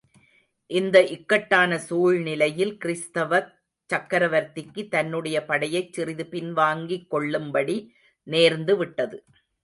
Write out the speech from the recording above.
இந்த இக்கட்டான, சூழ்நிலையில் கிறிஸ்தவச் சக்கரவர்த்திக்கு, தன்னுடைய படையைச் சிறிது பின்வாங்கிக் கொள்ளும்படி நேர்ந்துவிட்டது.